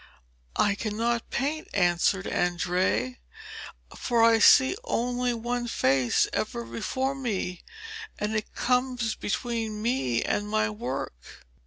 'I cannot paint,' answered Andrea, 'for I see only one face ever before me, and it comes between me and my work.'